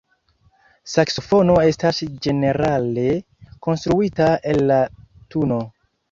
Saksofono estas ĝenerale konstruita el latuno.